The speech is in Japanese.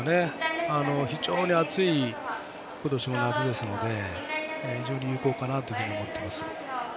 非常に暑い今年の夏ですので非常に有効かなと思います。